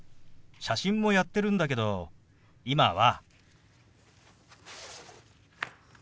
写真もやってるんだけど今は。